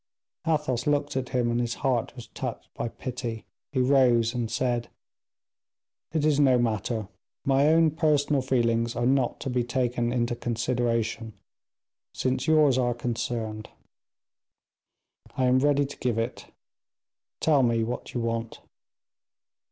Athos looked at him, and his heart was touched by pity. He rose and said, "It is no matter. My own personal feelings are not to be taken into consideration since yours are concerned; I am ready to give it. Tell me what you want."